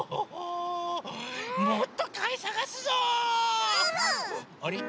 もっとかいさがすぞ！